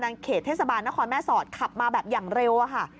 เขตเทศบาลนครแม่สอดขับมาแบบอย่างเร็วอะค่ะ